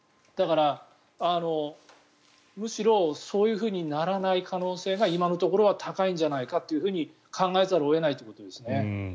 だからむしろ、そういうふうにならない可能性が今のところは高いんじゃないかと考えざるを得ないということですね。